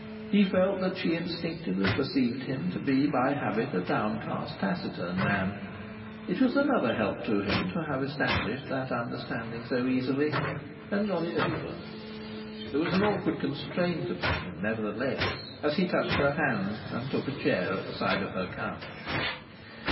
He felt that she instinctively perceived him to be by habit a downcast taciturn man; it was another help to him to have established that understanding so easily, and got it over. There was an awkward constraint upon him, nevertheless, as he touched her hand, and took a chair at the side of her couch.